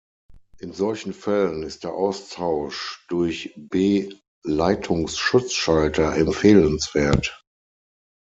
In solchen Fällen ist der Austausch durch B-Leitungsschutzschalter empfehlenswert.